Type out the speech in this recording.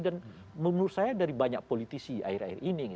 dan menurut saya dari banyak politisi akhir akhir ini